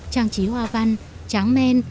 trang trí hoa văn tráng men